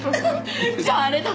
じゃああれだ。